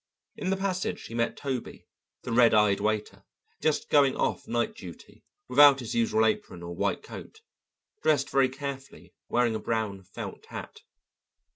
In the passage he met Toby, the red eyed waiter, just going off night duty, without his usual apron or white coat, dressed very carefully, wearing a brown felt hat.